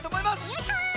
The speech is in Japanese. よいしょ！